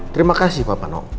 terima kasih papa no